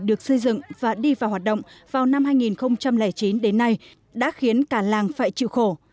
được xây dựng và đi vào hoạt động vào năm hai nghìn chín đến nay đã khiến cả làng phải chịu khổ